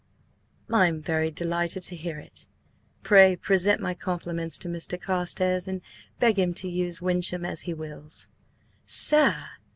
"I am very delighted to hear it. Pray present my compliments to Mr. Carstares and beg him to use Wyncham as he wills." "Sir!